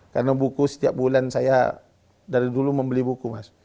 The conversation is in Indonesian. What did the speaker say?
karena buku setiap bulan saya dari dulu membeli buku